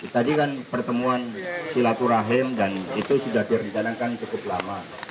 tadi kan pertemuan silaturahim dan itu sudah direncanakan cukup lama